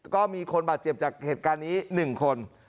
ก็มีคนบาดเจ็บจากเหตุการณ์นี้๑คน